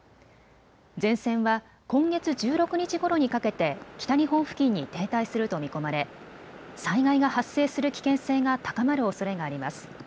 前線は今月１６日ごろにかけて、北日本付近に停滞すると見込まれ、災害が発生する危険性が高まるおそれがあります。